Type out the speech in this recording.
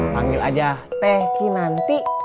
panggil aja teh kinanti